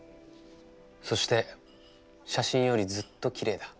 そして写真よりずっときれいだ。